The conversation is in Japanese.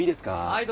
はい。